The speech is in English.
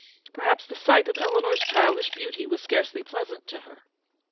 Per haps the sight of Eleanor's childish beauty was scarcely pleasant to her.